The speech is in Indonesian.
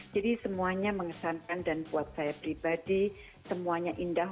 jadi semuanya mengesankan dan buat saya pribadi semuanya indah